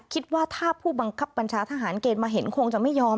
คิดว่าถ้าผู้บังคับบัญชาทหารเกณฑ์มาเห็นคงจะไม่ยอม